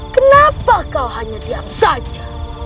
kenapa kau hanya diam saja